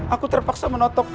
aku terpaksa menotok